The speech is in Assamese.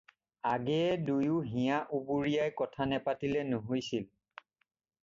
আগেয়ে দুয়ো হিয়া উবুৰিয়াই কথা নেপাতিলে নহৈছিল।